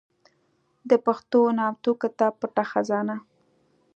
د پښتو نامتو کتاب پټه خزانه